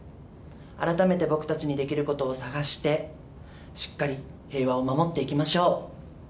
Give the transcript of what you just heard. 改めて僕たちにできることを探して、しっかり平和を守っていきましょう。